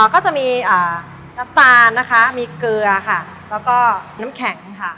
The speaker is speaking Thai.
ก็จะมีน้ำตาลนะคะมีเกลือค่ะแล้วก็น้ำแข็งค่ะ